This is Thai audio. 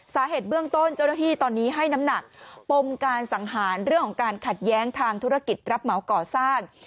สาเหตุเบื้องต้นเจ้าหน้าที่ตอนนี้ให้น้ำหนักปมการสังหารเรื่องของการขัดแย้งทางธุรกิจรับเหมาก่อสร้าง